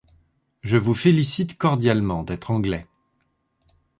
Je vous félicite cordialement d’être anglais.